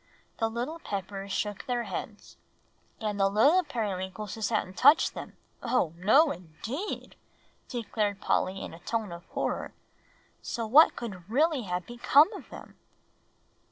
The little Peppers shook their heads. "And the little Periwinkleses hadn't touched them oh, no indeed!" declared Polly in a tone of horror "so what could really have become of them?"